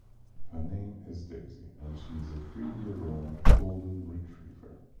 Her name is Daisy and she is a three-year-old Golden Retriever.